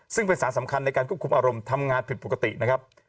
ซึ่งเป็นสารสำคัญในการควบคุมอารมณ์ทำงานผิดปกตินะครับ